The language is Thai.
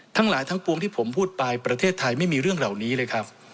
ทั้งหลายทั้งปวงที่ผมพูดไปประเทศไทยไม่มีเรื่องเหล่านี้เลยครับ